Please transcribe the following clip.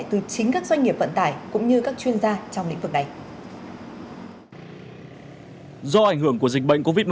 từ chính các doanh nghiệp vận tải cũng như các chuyên gia trong lĩnh vực này